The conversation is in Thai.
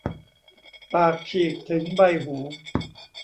ปากฉีกถึงใบหู